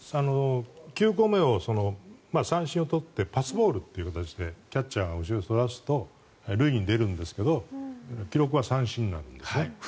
９個目を三振を取ってパスボールという形でキャッチャーが後ろにそらすと塁に出るんですけど記録は三振になるんですね。